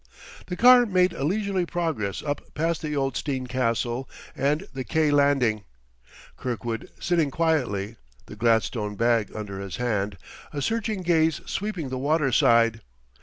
The car made a leisurely progress up past the old Steen castle and the Quai landing, Kirkwood sitting quietly, the gladstone bag under his hand, a searching gaze sweeping the waterside.